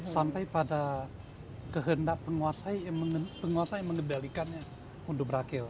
sampai pada kehendak penguasa yang mengembalikannya untuk berakhir